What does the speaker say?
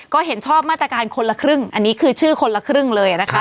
ก็เห็นชอบมาตรการคนละครึ่งอันนี้คือชื่อคนละครึ่งเลยนะคะ